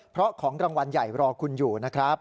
เพราะของรางวัลใหญ่รอคุณอยู่นะครับ